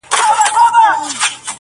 هره څپه یې ورانوي د بګړۍ ولونه!!!!!